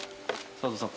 佐藤さん